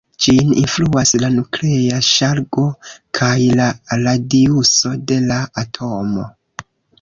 Ĝin influas la nuklea ŝargo kaj la radiuso de la atomo.